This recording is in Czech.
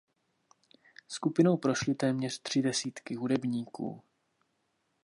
Skupinou prošly téměř tři desítky hudebníků.